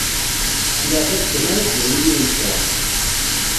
S leεtab kan ara d-yawi yiwen kra.